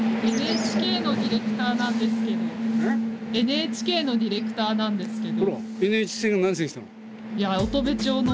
ＮＨＫのディレクターなんですけど。